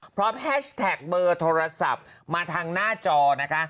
แฮชแท็กเบอร์โทรศัพท์มาทางหน้าจอนะคะ